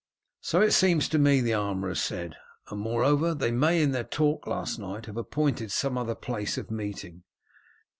"So it seems to me," the armourer said; "and, moreover, they may in their talk last night have appointed some other place of meeting."